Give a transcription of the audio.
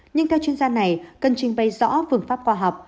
nhưng theo chuyên gia này cần trình bày rõ vườn pháp khoa học